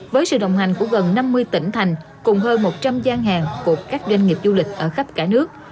với sự đồng hành của gần năm mươi tỉnh thành cùng hơn một trăm linh gian hàng của các doanh nghiệp du lịch ở khắp cả nước